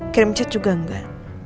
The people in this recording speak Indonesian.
kirim chat juga enggak